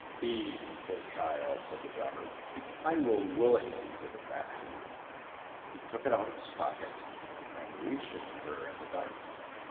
"Be easy, poor child," said the drummer. "I will willingly give it back to you." He took it out of his pocket, and reached it to her in the dark.